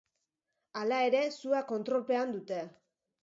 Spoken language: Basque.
Hala ere, sua kontrolpean dute.